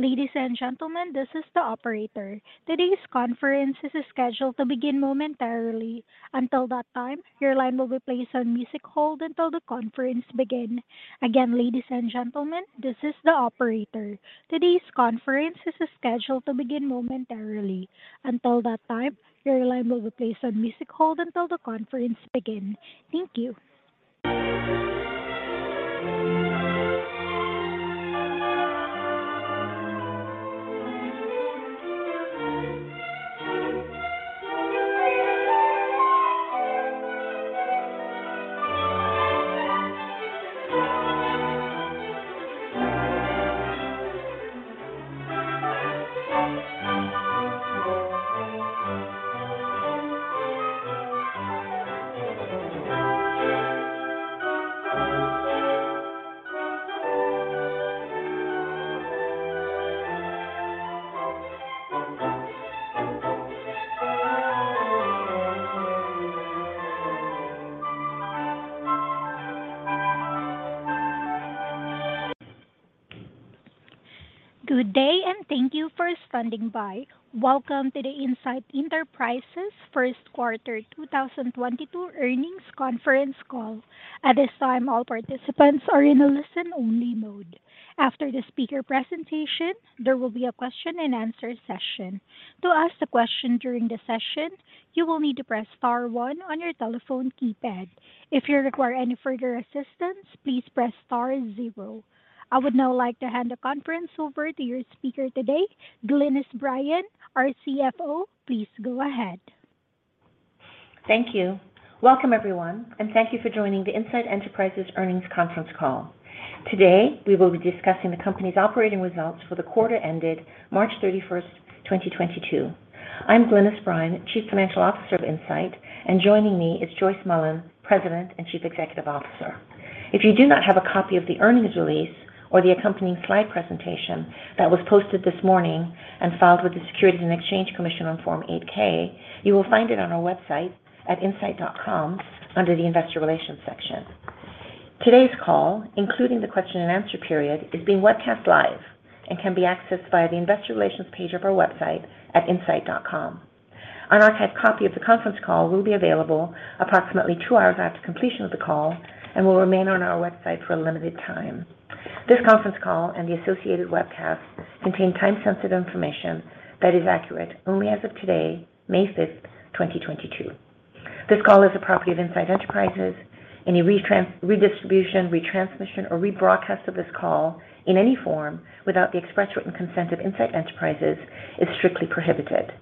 Ladies and gentlemen, this is the operator. Today's conference is scheduled to begin momentarily. Until that time, your line will be placed on music hold until the conference begins. Again, ladies and gentlemen, this is the operator. Today's conference is scheduled to begin momentarily. Until that time, your line will be placed on music hold until the conference begins. Thank you. Good day, and thank you for standing by. Welcome to the Insight Enterprises first quarter 2022 earnings conference call. At this time, all participants are in a listen-only mode. After the speaker presentation, there will be a question-and-answer session. To ask a question during the session, you will need to press star one on your telephone keypad. If you require any further assistance, please press star zero. I would now like to hand the conference over to your speaker today, Glynis Bryan, our CFO. Please go ahead. Thank you. Welcome, everyone, and thank you for joining the Insight Enterprises earnings conference call. Today, we will be discussing the company's operating results for the quarter ended March 31, 2022. I'm Glynis Bryan, Chief Financial Officer of Insight, and joining me is Joyce Mullen, President and Chief Executive Officer. If you do not have a copy of the earnings release or the accompanying slide presentation that was posted this morning and filed with the Securities and Exchange Commission on Form 8-K, you will find it on our website at insight.com under the Investor Relations section. Today's call, including the question-and-answer period, is being webcast live and can be accessed via the Investor Relations page of our website at insight.com. An archived copy of the conference call will be available approximately 2 hours after completion of the call and will remain on our website for a limited time. This conference call and the associated webcast contain time-sensitive information that is accurate only as of today, May 5, 2022. This call is a property of Insight Enterprises. Any redistribution, retransmission, or rebroadcast of this call in any form without the express written consent of Insight Enterprises is strictly prohibited.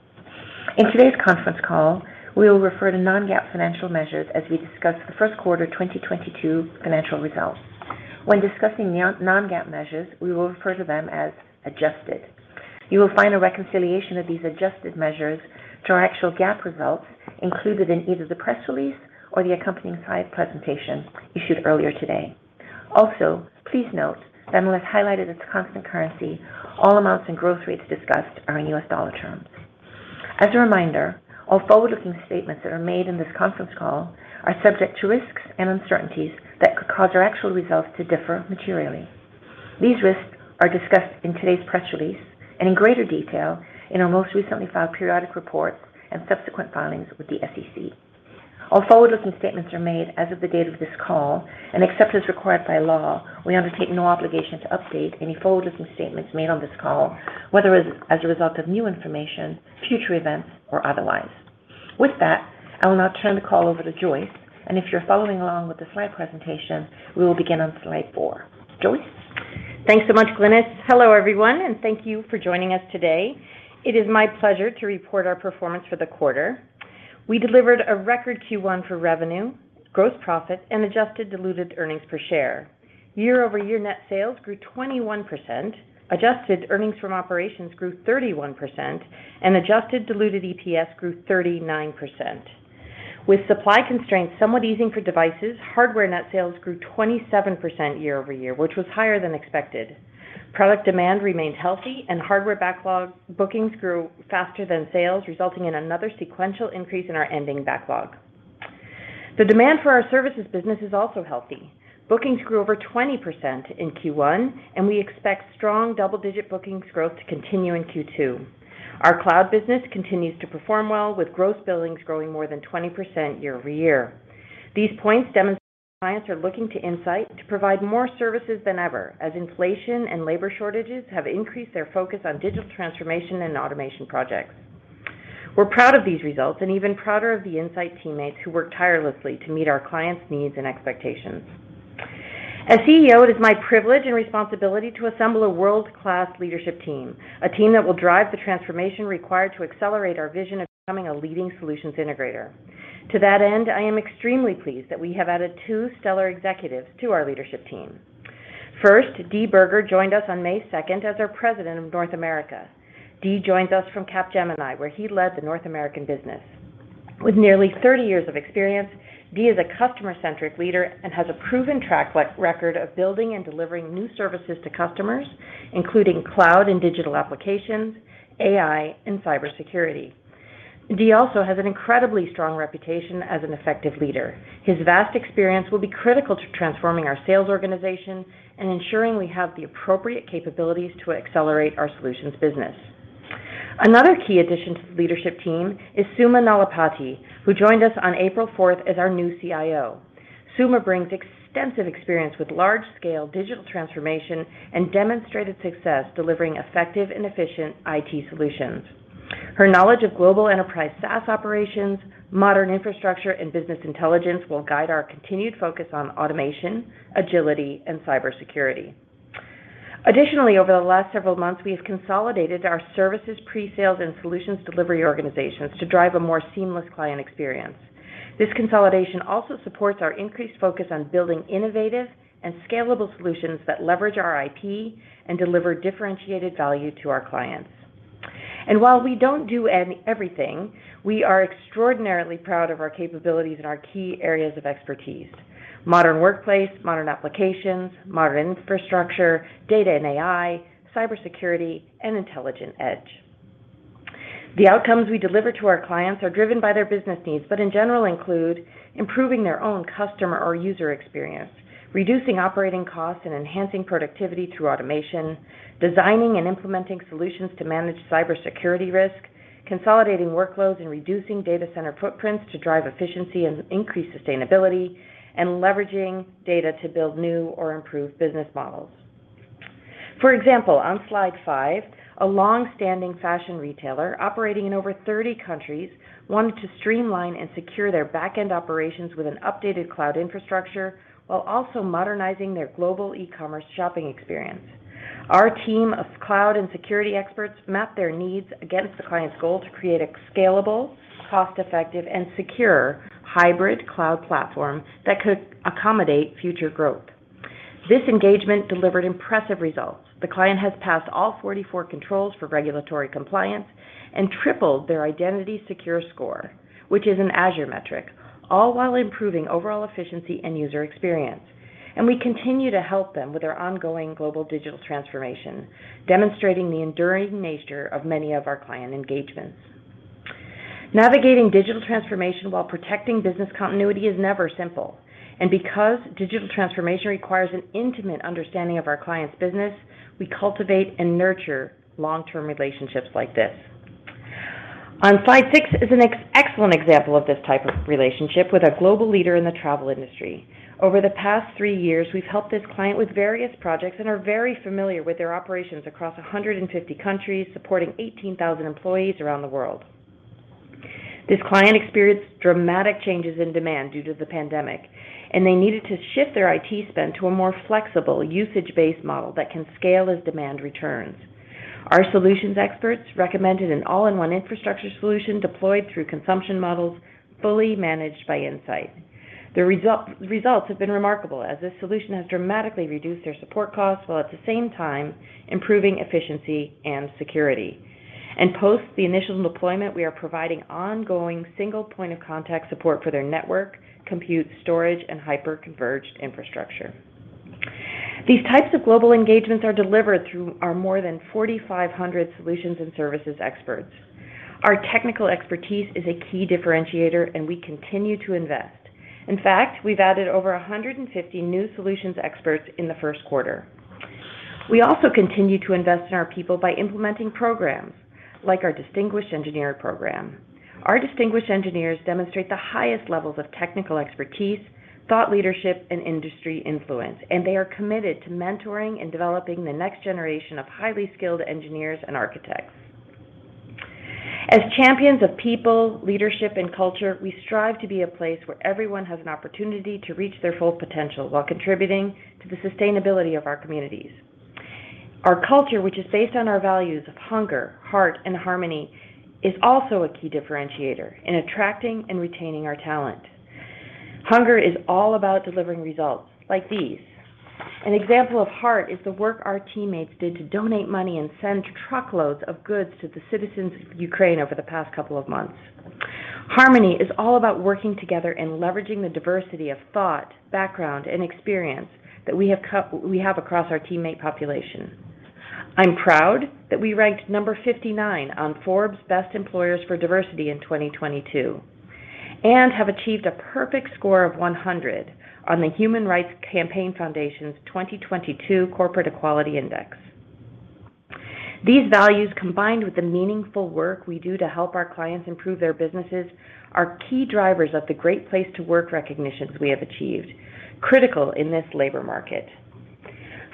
In today's conference call, we will refer to non-GAAP financial measures as we discuss the first quarter 2022 financial results. When discussing non-GAAP measures, we will refer to them as adjusted. You will find a reconciliation of these adjusted measures to our actual GAAP results included in either the press release or the accompanying slide presentation issued earlier today. Also, please note that unless highlighted as constant currency, all amounts and growth rates discussed are in US dollar terms. As a reminder, all forward-looking statements that are made in this conference call are subject to risks and uncertainties that could cause our actual results to differ materially. These risks are discussed in today's press release and in greater detail in our most recently filed periodic report and subsequent filings with the SEC. All forward-looking statements are made as of the date of this call, and except as required by law, we undertake no obligation to update any forward-looking statements made on this call, whether as a result of new information, future events, or otherwise. With that, I will now turn the call over to Joyce, and if you're following along with the slide presentation, we will begin on slide four. Joyce? Thanks so much, Glynis. Hello, everyone, and thank you for joining us today. It is my pleasure to report our performance for the quarter. We delivered a record Q1 for revenue, gross profit, and adjusted diluted earnings per share. Year-over-year net sales grew 21%, adjusted earnings from operations grew 31%, and adjusted diluted EPS grew 39%. With supply constraints somewhat easing for devices, hardware net sales grew 27% year-over-year, which was higher than expected. Product demand remained healthy and hardware backlog bookings grew faster than sales, resulting in another sequential increase in our ending backlog. The demand for our services business is also healthy. Bookings grew over 20% in Q1, and we expect strong double-digit bookings growth to continue in Q2. Our cloud business continues to perform well, with gross billings growing more than 20% year-over-year. These points demonstrate clients are looking to Insight to provide more services than ever as inflation and labor shortages have increased their focus on digital transformation and automation projects. We're proud of these results and even prouder of the Insight teammates who work tirelessly to meet our clients' needs and expectations. As CEO, it is my privilege and responsibility to assemble a world-class leadership team, a team that will drive the transformation required to accelerate our vision of becoming a leading solutions integrator. To that end, I am extremely pleased that we have added two stellar executives to our leadership team. First, Dee Burger joined us on May 2 as our President of North America. Dee joins us from Capgemini, where he led the North American business. With nearly 30 years of experience, Dee is a customer-centric leader and has a proven track record of building and delivering new services to customers, including cloud and digital applications, AI, and cybersecurity. Dee also has an incredibly strong reputation as an effective leader. His vast experience will be critical to transforming our sales organization and ensuring we have the appropriate capabilities to accelerate our solutions business. Another key addition to the leadership team is Suma Nallapati, who joined us on April fourth as our new CIO. Suma brings extensive experience with large scale digital transformation and demonstrated success delivering effective and efficient IT solutions. Her knowledge of global enterprise SaaS operations, modern infrastructure, and business intelligence will guide our continued focus on automation, agility, and cybersecurity. Additionally, over the last several months, we have consolidated our services, pre-sales, and solutions delivery organizations to drive a more seamless client experience. This consolidation also supports our increased focus on building innovative and scalable solutions that leverage our IT and deliver differentiated value to our clients. While we don't do everything, we are extraordinarily proud of our capabilities in our key areas of expertise, modern workplace, modern applications, modern infrastructure, data and AI, cybersecurity, and intelligent edge. The outcomes we deliver to our clients are driven by their business needs, but in general include improving their own customer or user experience, reducing operating costs and enhancing productivity through automation, designing and implementing solutions to manage cybersecurity risk, consolidating workloads and reducing data center footprints to drive efficiency and increase sustainability, and leveraging data to build new or improved business models. For example, on slide 5, a long-standing fashion retailer operating in over 30 countries wanted to streamline and secure their back-end operations with an updated cloud infrastructure while also modernizing their global e-commerce shopping experience. Our team of cloud and security experts mapped their needs against the client's goal to create a scalable, cost-effective, and secure hybrid cloud platform that could accommodate future growth. This engagement delivered impressive results. The client has passed all 44 controls for regulatory compliance and tripled their identity secure score, which is an Azure metric, all while improving overall efficiency and user experience. We continue to help them with their ongoing global digital transformation, demonstrating the enduring nature of many of our client engagements. Navigating digital transformation while protecting business continuity is never simple, and because digital transformation requires an intimate understanding of our client's business, we cultivate and nurture long-term relationships like this. On slide six is an excellent example of this type of relationship with a global leader in the travel industry. Over the past three years, we've helped this client with various projects and are very familiar with their operations across 150 countries, supporting 18,000 employees around the world. This client experienced dramatic changes in demand due to the pandemic, and they needed to shift their IT spend to a more flexible usage-based model that can scale as demand returns. Our solutions experts recommended an all-in-one infrastructure solution deployed through consumption models fully managed by Insight. The results have been remarkable as this solution has dramatically reduced their support costs while at the same time improving efficiency and security. Post the initial deployment, we are providing ongoing single point of contact support for their network, compute storage, and Hyperconverged Infrastructure. These types of global engagements are delivered through our more than 4,500 solutions and services experts. Our technical expertise is a key differentiator, and we continue to invest. In fact, we've added over 150 new solutions experts in the first quarter. We also continue to invest in our people by implementing programs like our Distinguished Engineer program. Our Distinguished Engineers demonstrate the highest levels of technical expertise, thought leadership, and industry influence, and they are committed to mentoring and developing the next generation of highly skilled engineers and architects. As champions of people, leadership, and culture, we strive to be a place where everyone has an opportunity to reach their full potential while contributing to the sustainability of our communities. Our culture, which is based on our values of hunger, heart, and harmony, is also a key differentiator in attracting and retaining our talent. Hunger is all about delivering results like these. An example of heart is the work our teammates did to donate money and send truckloads of goods to the citizens of Ukraine over the past couple of months. Harmony is all about working together and leveraging the diversity of thought, background, and experience that we have across our teammate population. I'm proud that we ranked number 59 on Forbes Best Employers for Diversity in 2022 and have achieved a perfect score of 100 on the Human Rights Campaign Foundation's 2022 Corporate Equality Index. These values, combined with the meaningful work we do to help our clients improve their businesses, are key drivers of the Great Place to Work recognitions we have achieved, critical in this labor market.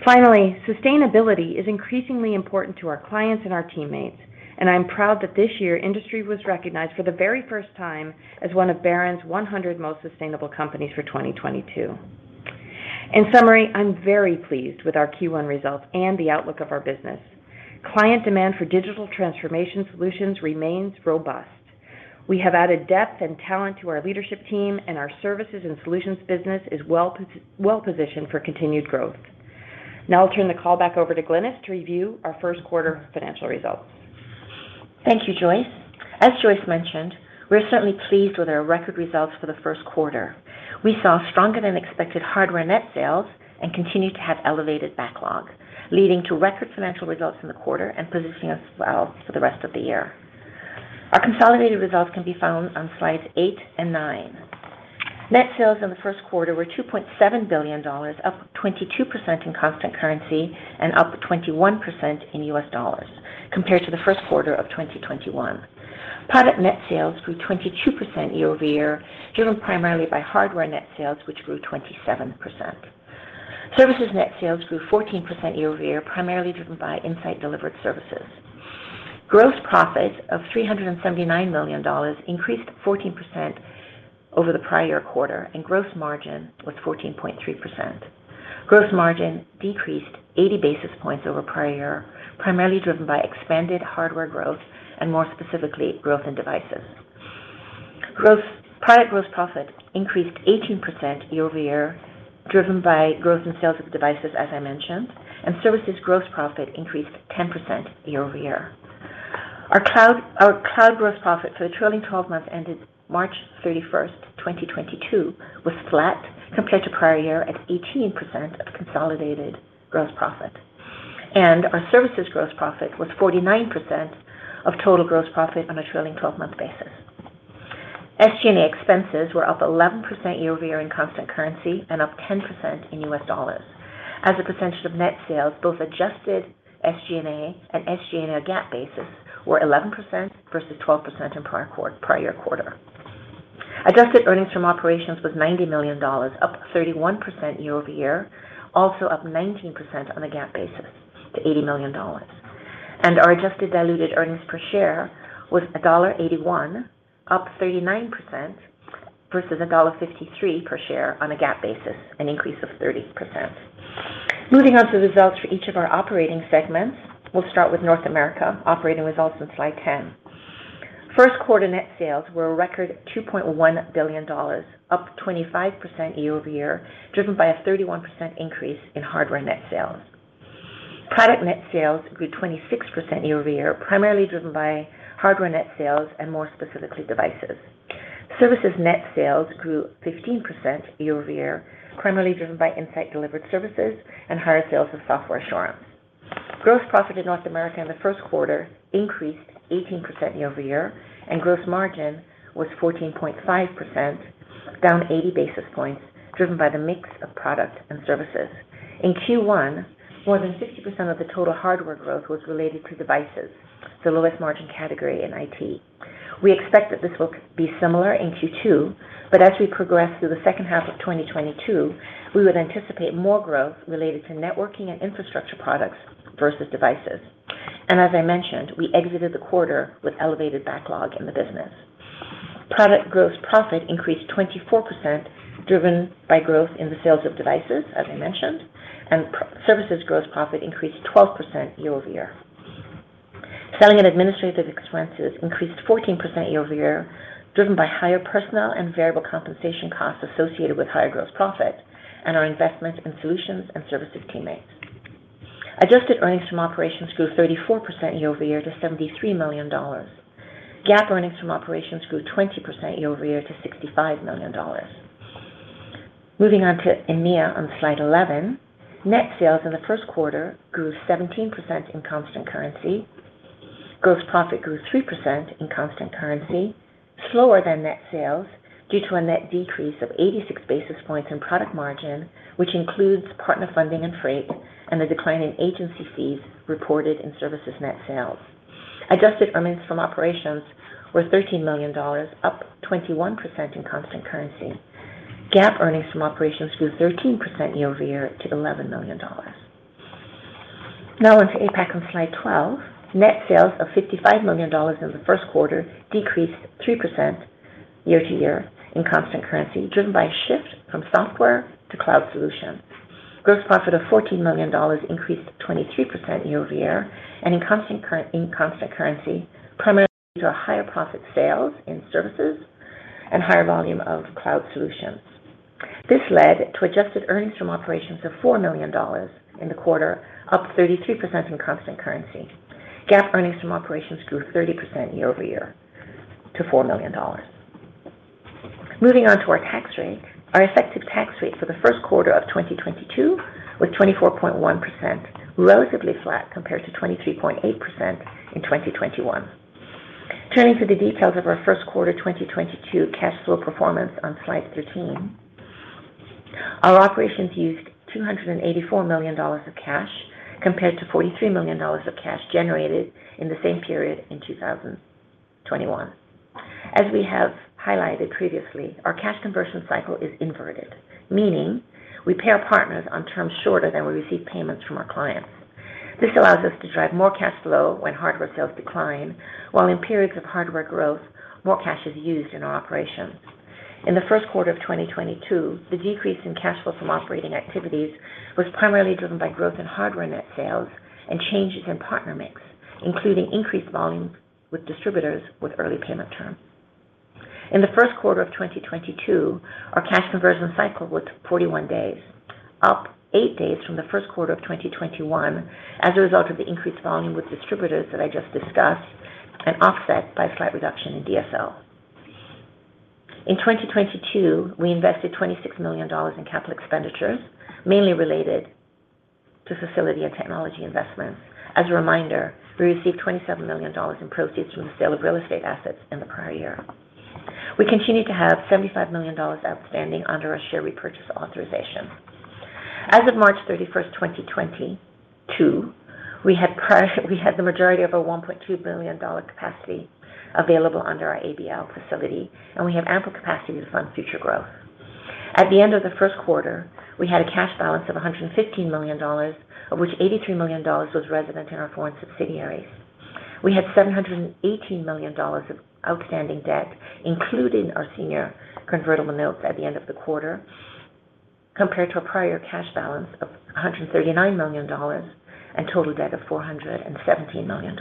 Finally, sustainability is increasingly important to our clients and our teammates, and I'm proud that this year Insight was recognized for the very first time as one of Barron's 100 most sustainable companies for 2022. In summary, I'm very pleased with our Q1 results and the outlook of our business. Client demand for digital transformation solutions remains robust. We have added depth and talent to our leadership team, and our services and solutions business is well-positioned for continued growth. Now I'll turn the call back over to Glynis to review our first quarter financial results. Thank you, Joyce. As Joyce mentioned, we're certainly pleased with our record results for the first quarter. We saw stronger-than-expected hardware net sales and continued to have elevated backlog, leading to record financial results in the quarter and positioning us well for the rest of the year. Our consolidated results can be found on slides 8 and 9. Net sales in the first quarter were $2.7 billion, up 22% in constant currency and up 21% in US dollars compared to the first quarter of 2021. Product net sales grew 22% year-over-year, driven primarily by hardware net sales, which grew 27%. Services net sales grew 14% year-over-year, primarily driven by Insight-delivered services. Gross profit of $379 million increased 14% over the prior quarter, and gross margin was 14.3%. Gross margin decreased 80 basis points year-over-year, primarily driven by expanded hardware growth and, more specifically, growth in devices. Product gross profit increased 18% year-over-year, driven by growth in sales of devices, as I mentioned, and services gross profit increased 10% year-over-year. Our cloud gross profit for the trailing twelve months ended March 31, 2022, was flat year-over-year at 18% of consolidated gross profit. Our services gross profit was 49% of total gross profit on a trailing twelve-month basis. SG&A expenses were up 11% year-over-year in constant currency and up 10% in US dollars. As a percentage of net sales, both adjusted SG&A and SG&A GAAP basis were 11% versus 12% in prior quarter. Adjusted earnings from operations was $90 million, up 31% year-over-year, also up 19% on a GAAP basis to $80 million. Our adjusted diluted earnings per share was $1.81, up 39% versus $1.53 per share on a GAAP basis, an increase of 30%. Moving on to the results for each of our operating segments. We'll start with North America operating results on slide 10. First quarter net sales were a record $2.1 billion, up 25% year-over-year, driven by a 31% increase in hardware net sales. Product net sales grew 26% year-over-year, primarily driven by hardware net sales and more specifically, devices. Services net sales grew 15% year-over-year, primarily driven by Insight-delivered services and higher sales of software assurance. Gross profit in North America in the first quarter increased 18% year-over-year, and gross margin was 14.5%, down 80 basis points, driven by the mix of product and services. In Q1, more than 50% of the total hardware growth was related to devices, the lowest margin category in IT. We expect that this will be similar in Q2, but as we progress through the second half of 2022, we would anticipate more growth related to networking and infrastructure products versus devices. As I mentioned, we exited the quarter with elevated backlog in the business. Product gross profit increased 24%, driven by growth in the sales of devices, as I mentioned, and services gross profit increased 12% year-over-year. Selling and administrative expenses increased 14% year-over-year, driven by higher personnel and variable compensation costs associated with higher gross profit and our investment in solutions and services teammates. Adjusted earnings from operations grew 34% year-over-year to $73 million. GAAP earnings from operations grew 20% year-over-year to $65 million. Moving on to EMEA on slide 11. Net sales in the first quarter grew 17% in constant currency. Gross profit grew 3% in constant currency, slower than net sales due to a net decrease of 86 basis points in product margin, which includes partner funding and freight, and the decline in agency fees reported in services net sales. Adjusted earnings from operations were $13 million, up 21% in constant currency. GAAP earnings from operations grew 13% year-over-year to $11 million. Now on to APAC on slide 12. Net sales of $55 million in the first quarter decreased 3% year-over-year in constant currency, driven by a shift from software to cloud solutions. Gross profit of $14 million increased 23% year-over-year and in constant currency, primarily to higher profit sales in services and higher volume of cloud solutions. This led to adjusted earnings from operations of $4 million in the quarter, up 32% in constant currency. GAAP earnings from operations grew 30% year-over-year to $4 million. Moving on to our tax rate. Our effective tax rate for the first quarter of 2022 was 24.1%, relatively flat compared to 23.8% in 2021. Turning to the details of our first quarter 2022 cash flow performance on slide 13. Our operations used $284 million of cash compared to $43 million of cash generated in the same period in 2021. As we have highlighted previously, our cash conversion cycle is inverted, meaning we pay our partners on terms shorter than we receive payments from our clients. This allows us to drive more cash flow when hardware sales decline, while in periods of hardware growth, more cash is used in our operations. In the first quarter of 2022, the decrease in cash flow from operating activities was primarily driven by growth in hardware net sales and changes in partner mix, including increased volume with distributors with early payment terms. In the first quarter of 2022, our cash conversion cycle was 41 days. Up 8 days from the first quarter of 2021 as a result of the increased volume with distributors that I just discussed and offset by a slight reduction in DSO. In 2022, we invested $26 million in capital expenditures, mainly related to facility and technology investments. As a reminder, we received $27 million in proceeds from the sale of real estate assets in the prior year. We continue to have $75 million outstanding under our share repurchase authorization. As of March 31, 2022, we had the majority of our $1.2 billion capacity available under our ABL facility, and we have ample capacity to fund future growth. At the end of the first quarter, we had a cash balance of $115 million, of which $83 million was resident in our foreign subsidiaries. We had $718 million of outstanding debt, including our senior convertible notes at the end of the quarter, compared to a prior year cash balance of $139 million and total debt of $417 million.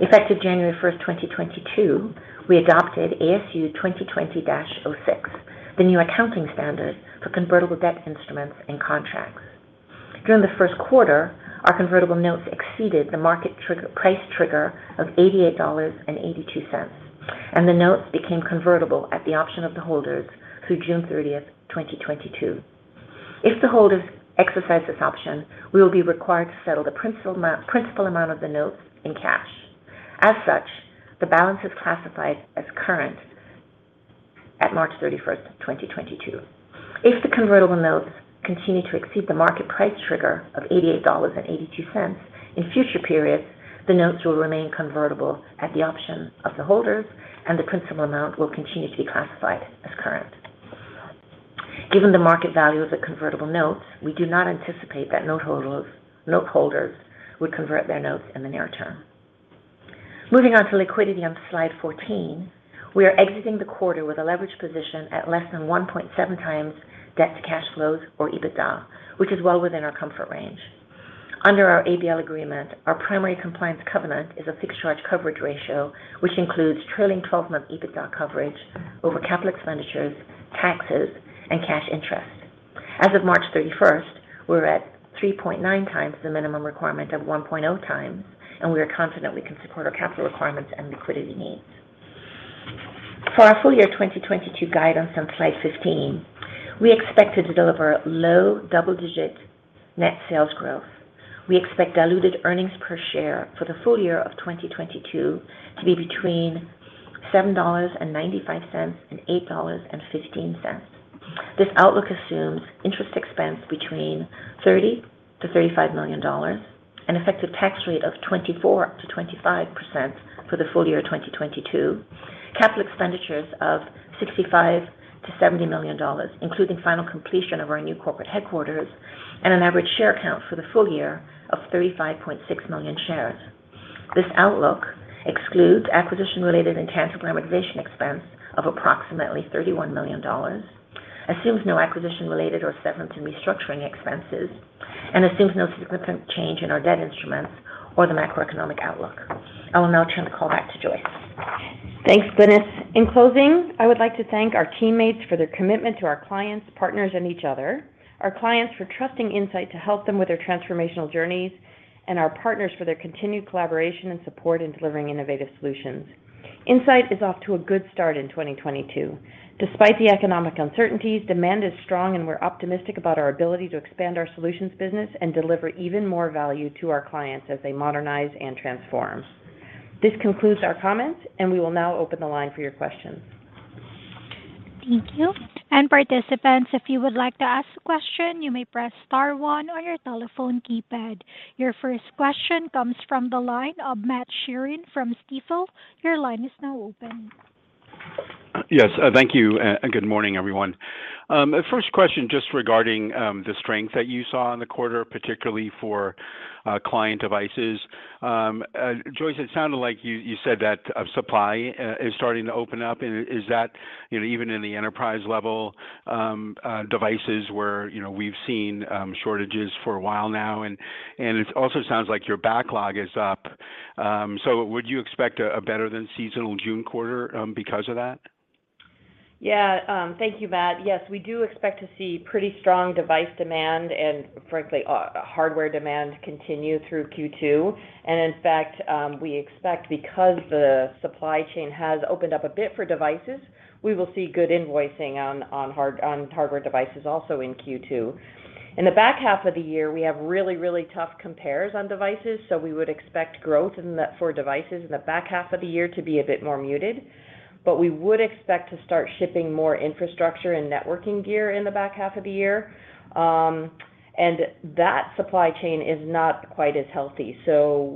Effective January 1, 2022, we adopted ASU 2020-06, the new accounting standard for convertible debt instruments and contracts. During the first quarter, our convertible notes exceeded the market trigger, price trigger of $88.82, and the notes became convertible at the option of the holders through June 30, 2022. If the holders exercise this option, we will be required to settle the principal amount of the notes in cash. As such, the balance is classified as current at March 31, 2022. If the convertible notes continue to exceed the market price trigger of $88.82 in future periods, the notes will remain convertible at the option of the holders, and the principal amount will continue to be classified as current. Given the market value of the convertible notes, we do not anticipate that noteholders would convert their notes in the near term. Moving on to liquidity on slide 14. We are exiting the quarter with a leverage position at less than 1.7 times debt to cash flows or EBITDA, which is well within our comfort range. Under our ABL agreement, our primary compliance covenant is a fixed charge coverage ratio, which includes trailing twelve-month EBITDA coverage over capital expenditures, taxes, and cash interest. As of March 31, we're at 3.9 times the minimum requirement of 1.0 times, and we are confident we can support our capital requirements and liquidity needs. For our full year 2022 guidance on slide 15, we expect to deliver low double-digit net sales growth. We expect diluted earnings per share for the full year of 2022 to be between $7.95 and $8.15. This outlook assumes interest expense between $30-$35 million, an effective tax rate of 24%-25% for the full year of 2022, capital expenditures of $65-$70 million, including final completion of our new corporate headquarters, and an average share count for the full year of 35.6 million shares. This outlook excludes acquisition-related intangible amortization expense of approximately $31 million, assumes no acquisition-related or severance and restructuring expenses, and assumes no significant change in our debt instruments or the macroeconomic outlook. I will now turn the call back to Joyce. Thanks, Glynis. In closing, I would like to thank our teammates for their commitment to our clients, partners, and each other, our clients for trusting Insight to help them with their transformational journeys, and our partners for their continued collaboration and support in delivering innovative solutions. Insight is off to a good start in 2022. Despite the economic uncertainties, demand is strong, and we're optimistic about our ability to expand our solutions business and deliver even more value to our clients as they modernize and transform. This concludes our comments, and we will now open the line for your questions. Thank you. Participants, if you would like to ask a question, you may press star one on your telephone keypad. Your first question comes from the line of Matt Sheerin from Stifel. Your line is now open. Yes. Thank you and good morning, everyone. First question just regarding the strength that you saw in the quarter, particularly for client devices. Joyce, it sounded like you said that supply is starting to open up. Is that, you know, even in the enterprise level devices where, you know, we've seen shortages for a while now? It also sounds like your backlog is up. Would you expect a better than seasonal June quarter because of that? Yeah. Thank you, Matt. Yes, we do expect to see pretty strong device demand and frankly, hardware demand continue through Q2. In fact, we expect because the supply chain has opened up a bit for devices, we will see good invoicing on hardware devices also in Q2. In the back half of the year, we have really tough compares on devices, so we would expect growth in the for devices in the back half of the year to be a bit more muted. We would expect to start shipping more infrastructure and networking gear in the back half of the year. That supply chain is not quite as healthy.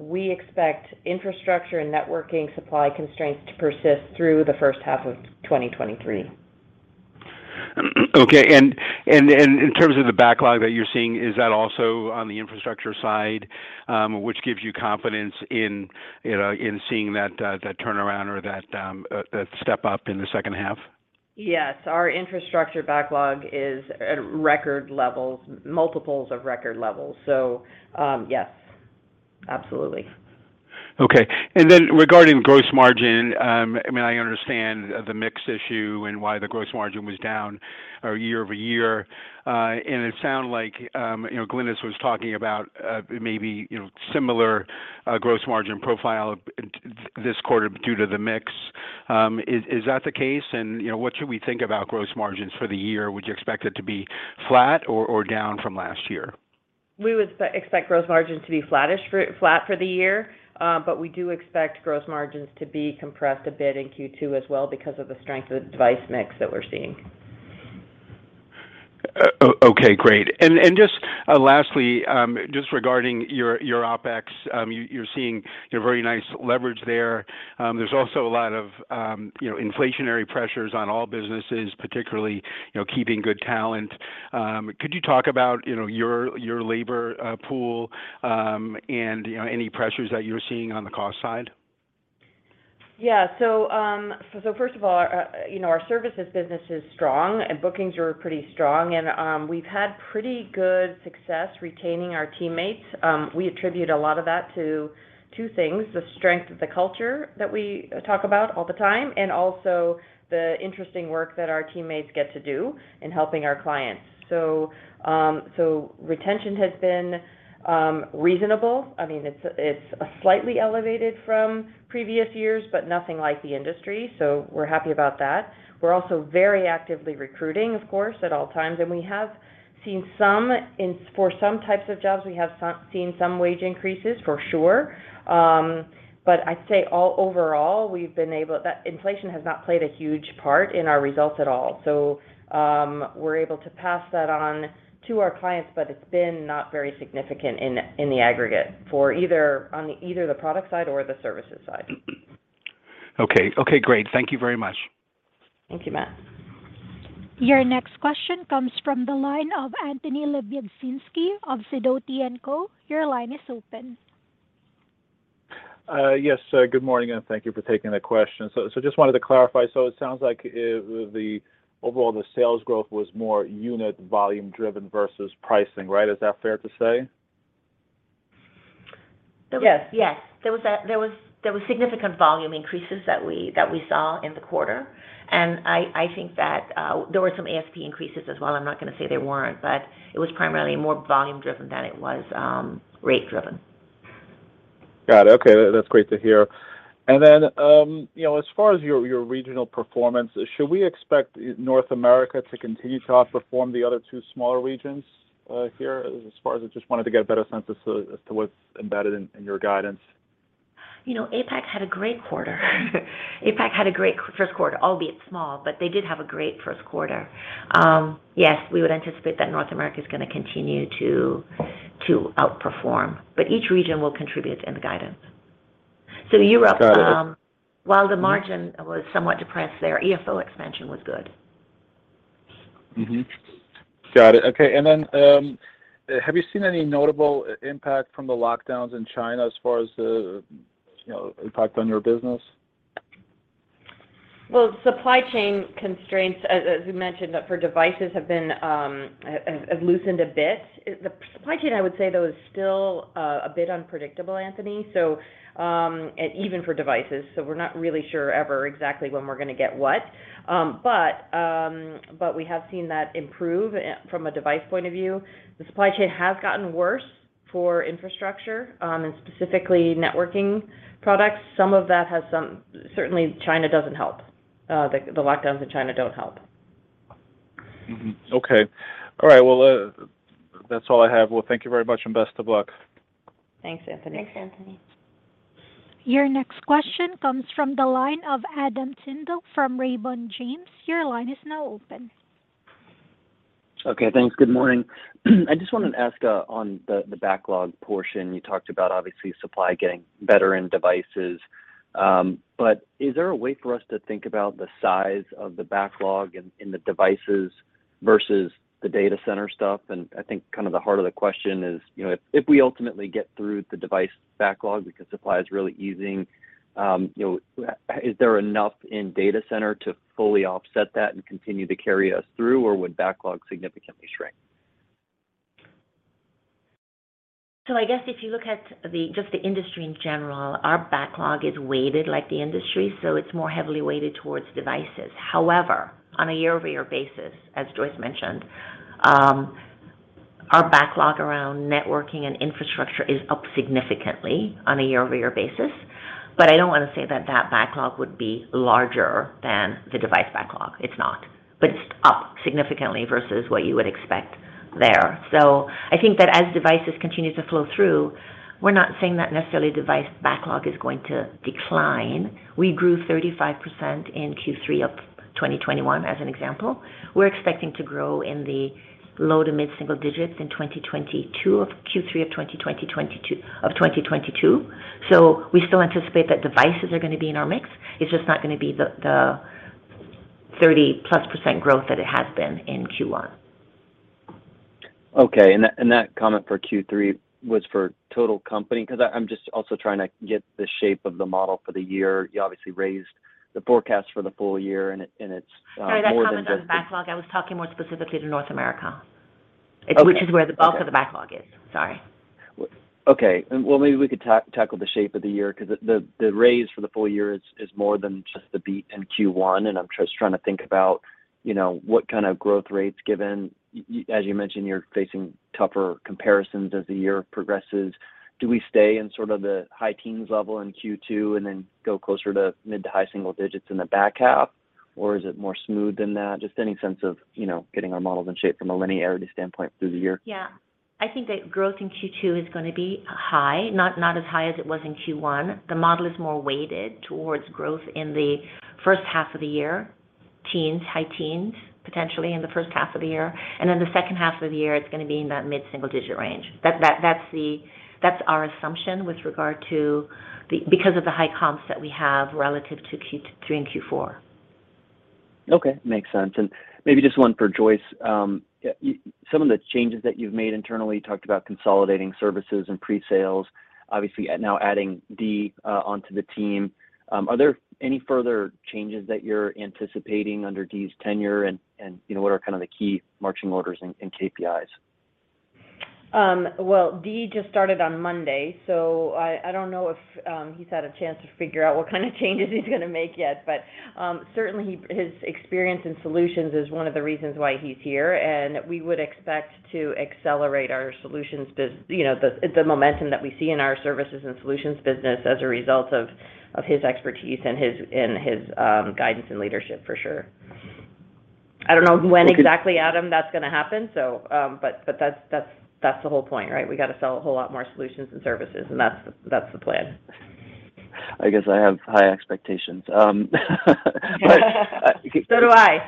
We expect infrastructure and networking supply constraints to persist through the first half of 2023. In terms of the backlog that you're seeing, is that also on the infrastructure side, which gives you confidence in, you know, in seeing that turnaround or that step up in the second half? Yes. Our infrastructure backlog is at record levels, multiples of record levels. Yes. Absolutely. Okay. Regarding gross margin, I mean, I understand the mix issue and why the gross margin was down year-over-year. It sound like you know, Glynis was talking about maybe you know, similar gross margin profile this quarter due to the mix. Is that the case? You know, what should we think about gross margins for the year? Would you expect it to be flat or down from last year? We would expect gross margins to be flat for the year, but we do expect gross margins to be compressed a bit in Q2 as well because of the strength of the device mix that we're seeing. Okay, great. Just lastly regarding your OpEx, you're seeing, you know, very nice leverage there. There's also a lot of, you know, inflationary pressures on all businesses, particularly, you know, keeping good talent. Could you talk about, you know, your labor pool, and, you know, any pressures that you're seeing on the cost side? Yeah. First of all, you know, our services business is strong, and bookings are pretty strong, and we've had pretty good success retaining our teammates. We attribute a lot of that to two things, the strength of the culture that we talk about all the time, and also the interesting work that our teammates get to do in helping our clients. Retention has been reasonable. I mean, it's slightly elevated from previous years, but nothing like the industry, so we're happy about that. We're also very actively recruiting, of course, at all times, and we have seen some wage increases for some types of jobs for sure. I'd say overall, that inflation has not played a huge part in our results at all. We're able to pass that on to our clients, but it's been not very significant in the aggregate on either the product side or the services side. Okay. Okay, great. Thank you very much. Thank you, Matt. Your next question comes from the line of Anthony Lebiedzinski of Sidoti & Co. Your line is open. Good morning, and thank you for taking the question. Just wanted to clarify. It sounds like overall, the sales growth was more unit volume driven versus pricing, right? Is that fair to say? Yes. Yes. There was significant volume increases that we saw in the quarter. I think that there were some ASP increases as well. I'm not gonna say there weren't, but it was primarily more volume driven than it was, rate driven. Got it. Okay. That's great to hear. Then, you know, as far as your regional performance, should we expect North America to continue to outperform the other two smaller regions, here, as far as I just wanted to get a better sense as to what's embedded in your guidance? You know, APAC had a great quarter. APAC had a great first quarter, albeit small, but they did have a great first quarter. Yes, we would anticipate that North America is gonna continue to outperform, but each region will contribute in the guidance. Europe Got it. While the margin was somewhat depressed there, [EFO] expansion was good. Mm-hmm. Got it. Okay. Have you seen any notable impact from the lockdowns in China as far as the, you know, impact on your business? Supply chain constraints, as we mentioned, for devices have loosened a bit. The supply chain, I would say, though, is still a bit unpredictable, Anthony. Even for devices. We're not really sure ever exactly when we're gonna get what. We have seen that improve from a device point of view. The supply chain has gotten worse for infrastructure and specifically networking products. Some of that. Certainly, China doesn't help. The lockdowns in China don't help. Okay. All right. Well, that's all I have. Well, thank you very much, and best of luck. Thanks, Anthony. Thanks, Anthony. Your next question comes from the line of Adam Tindle from Raymond James. Your line is now open. Okay, thanks. Good morning. I just wanted to ask on the backlog portion, you talked about obviously supply getting better in devices. But is there a way for us to think about the size of the backlog in the devices versus the data center stuff? I think kind of the heart of the question is, you know, if we ultimately get through the device backlog because supply is really easing, you know, is there enough in data center to fully offset that and continue to carry us through, or would backlog significantly shrink? I guess if you look at just the industry in general, our backlog is weighted like the industry, so it's more heavily weighted towards devices. However, on a year-over-year basis, as Joyce mentioned, our backlog around networking and infrastructure is up significantly on a year-over-year basis. I don't want to say that that backlog would be larger than the device backlog. It's not. It's up significantly versus what you would expect there. I think that as devices continue to flow through, we're not saying that necessarily device backlog is going to decline. We grew 35% in Q3 of 2021, as an example. We're expecting to grow in the low- to mid-single digits in Q3 of 2022. We still anticipate that devices are gonna be in our mix. It's just not gonna be the 30%+ growth that it has been in Q1. Okay. That comment for Q3 was for total company, 'cause I'm just also trying to get the shape of the model for the year. You obviously raised the forecast for the full year and it's more than just. Sorry, that comment on the backlog, I was talking more specifically to North America. Okay. Which is where the bulk of the backlog is. Sorry. Okay. Well, maybe we could tackle the shape of the year because the raise for the full year is more than just the beat in Q1, and I'm just trying to think about, you know, what kind of growth rates given as you mentioned, you're facing tougher comparisons as the year progresses. Do we stay in sort of the high teens level in Q2 and then go closer to mid to high single digits in the back half? Or is it more smooth than that? Just any sense of, you know, getting our models in shape from a linearity standpoint through the year. Yeah. I think that growth in Q2 is gonna be high, not as high as it was in Q1. The model is more weighted towards growth in the first half of the year, high teens potentially in the first half of the year. Then the second half of the year, it's gonna be in that mid-single-digit range. That's our assumption because of the high comps that we have relative to Q3 and Q4. Okay. Makes sense. Maybe just one for Joyce. Some of the changes that you've made internally, you talked about consolidating services and pre-sales, obviously, now adding Dee onto the team. Are there any further changes that you're anticipating under Dee's tenure? You know, what are kind of the key marching orders and KPIs? Well, Dee just started on Monday, so I don't know if he's had a chance to figure out what kind of changes he's gonna make yet. Certainly his experience in solutions is one of the reasons why he's here, and we would expect to accelerate our solutions business, you know, the momentum that we see in our services and solutions business as a result of his expertise and his guidance and leadership, for sure. I don't know when exactly, Adam, that's gonna happen. That's the whole point, right? We gotta sell a whole lot more solutions and services, and that's the plan. I guess I have high expectations. Do I.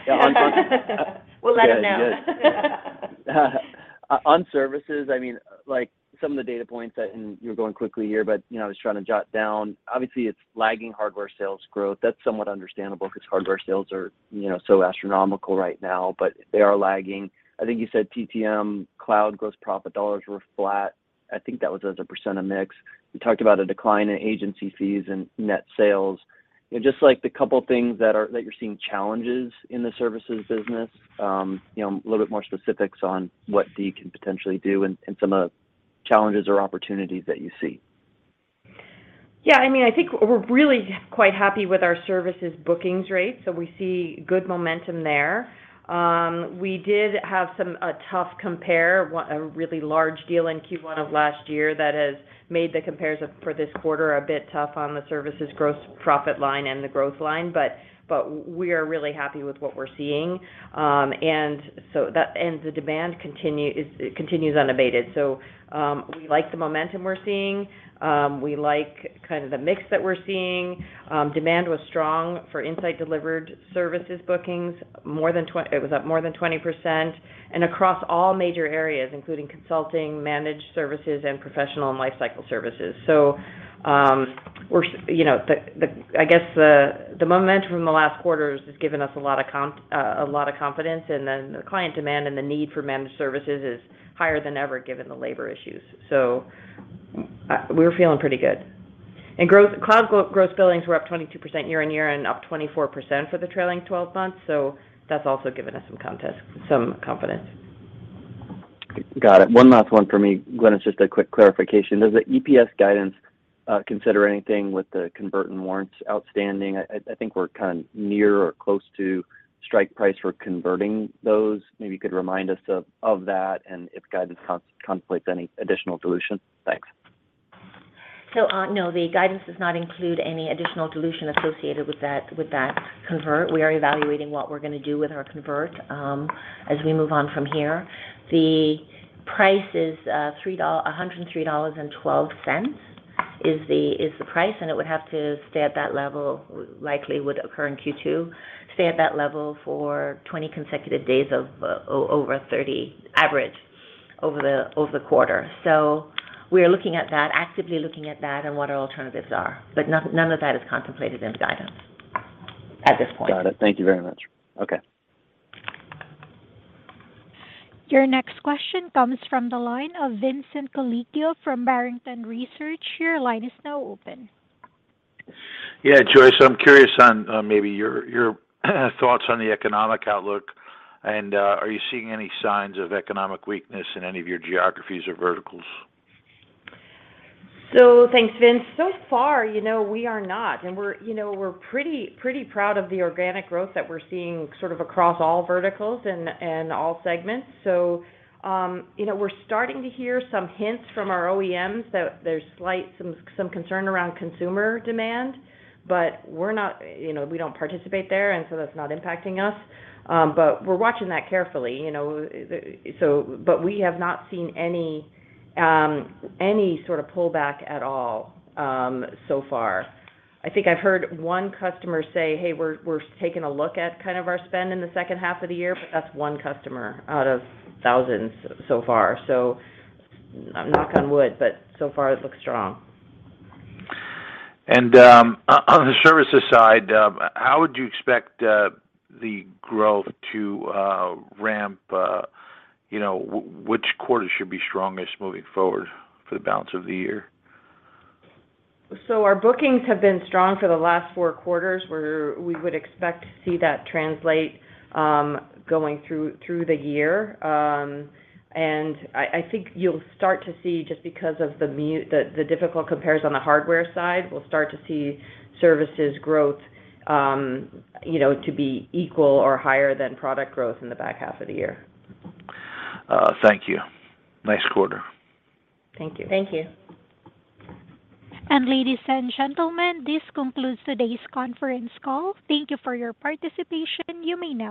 Yeah. We'll let him know. On services, I mean, like some of the data points and you're going quickly here, but, you know, I was trying to jot down. Obviously, it's lagging hardware sales growth. That's somewhat understandable because hardware sales are, you know, so astronomical right now, but they are lagging. I think you said TTM cloud gross profit dollars were flat. I think that was as a percent of mix. You talked about a decline in agency fees and net sales. You know, just like the couple of things that you're seeing challenges in the services business, you know, a little bit more specifics on what Dee can potentially do and some of challenges or opportunities that you see. Yeah, I mean, I think we're really quite happy with our services bookings rate, so we see good momentum there. We did have a tough compare, a really large deal in Q1 of last year that has made the compares for this quarter a bit tough on the services gross profit line and the growth line. We are really happy with what we're seeing. The demand continues unabated. We like the momentum we're seeing. We like kind of the mix that we're seeing. Demand was strong for Insight-delivered services bookings, it was up more than 20% and across all major areas, including consulting, managed services, and professional and lifecycle services. We're you know, I guess the momentum in the last quarter has just given us a lot of confidence. The client demand and the need for managed services is higher than ever given the labor issues. We're feeling pretty good. Cloud gross billings were up 22% year-on-year and up 24% for the trailing twelve months, so that's also given us some confidence. Got it. One last one from me. Glynis, it's just a quick clarification. Does the EPS guidance consider anything with the convert and warrants outstanding? I think we're kind of near or close to strike price for converting those. Maybe you could remind us of that and if guidance complicates any additional dilution. Thanks. No, the guidance does not include any additional dilution associated with that, with that convert. We are evaluating what we're gonna do with our convert, as we move on from here. The price is $103.12. It would have to stay at that level, likely would occur in Q2, stay at that level for 20 consecutive days of over 30 average over the quarter. We are looking at that, actively looking at that and what our alternatives are. None of that is contemplated in the guidance at this point. Got it. Thank you very much. Okay. Your next question comes from the line of Vincent A. Colicchio from Barrington Research. Your line is now open. Joyce, I'm curious on maybe your thoughts on the economic outlook. Are you seeing any signs of economic weakness in any of your geographies or verticals? Thanks, Vince. So far, you know, we are not, and we're, you know, we're pretty proud of the organic growth that we're seeing sort of across all verticals and all segments. You know, we're starting to hear some hints from our OEMs that there's some concern around consumer demand. We don't participate there, and so that's not impacting us. We're watching that carefully, you know. We have not seen any sort of pullback at all, so far. I think I've heard one customer say, "Hey, we're taking a look at kind of our spend in the second half of the year," but that's one customer out of thousands so far. Knock on wood, but so far it looks strong. On the services side, how would you expect the growth to ramp? You know, which quarter should be strongest moving forward for the balance of the year? Our bookings have been strong for the last four quarters, where we would expect to see that translate going through the year. I think you'll start to see just because of the difficult compares on the hardware side. We'll start to see services growth, you know, to be equal or higher than product growth in the back half of the year. Thank you. Nice quarter. Thank you. Thank you. Ladies and gentlemen, this concludes today's conference call. Thank you for your participation. You may now disconnect.